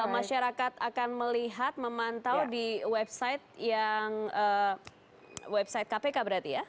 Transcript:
masyarakat akan melihat memantau di website yang website kpk berarti ya